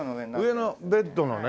上のベッドのね。